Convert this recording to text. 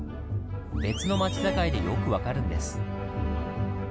別の町境でよく分かるんです。